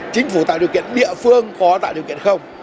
chính phủ tạo điều kiện địa phương có tạo điều kiện không